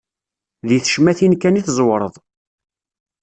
Di tecmatin kan i tẓewreḍ.